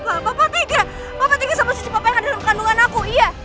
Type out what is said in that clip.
papa tinggal sama suci papa yang ada dalam kandungan aku